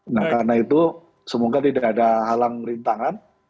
nah karena itu semoga tidak ada halang rintangan